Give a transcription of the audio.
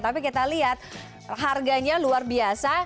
tapi kita lihat harganya luar biasa